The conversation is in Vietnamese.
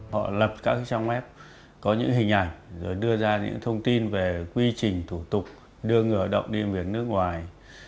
họ lập các trang web có những hình ảnh rồi đưa ra những thông tin về quy trình thủ tục đưa người lao động đi làm việc nước ngoài